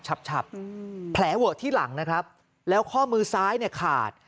ฉับแผลเวอะที่หลังนะครับแล้วข้อมือซ้ายเนี่ยขาด